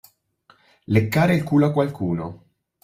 Leccare il culo a qualcuno.